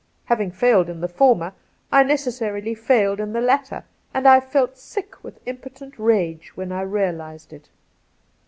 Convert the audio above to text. Having failed in the former, I necessarily failed in the latter, and I felt sick with impotent rage when I realized it.